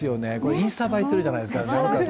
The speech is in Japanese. インスタ映えするじゃないですか。